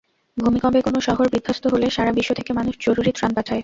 ভূমিকম্পে কোনো শহর বিধ্বস্ত হলে, সারা বিশ্ব থেকে মানুষ জরুরি ত্রাণ পাঠায়।